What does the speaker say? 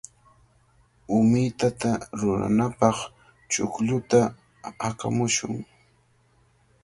Umitata ruranapaq chuqlluta aqamushun.